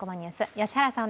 良原さん